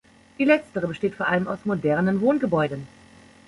Die Letztere besteht vor allem aus modernen Wohngebäuden.